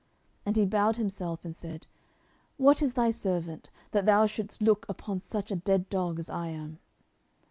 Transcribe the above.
10:009:008 And he bowed himself, and said, What is thy servant, that thou shouldest look upon such a dead dog as I am?